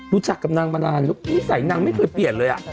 รู้จักกับนางมานานแล้วนิสัยนางไม่เคยเปลี่ยนเลย